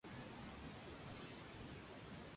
Le reemplazó en la dirección a la muerte de Lichtenstein.